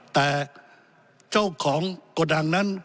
แต่เจ้าของโกดังนั้น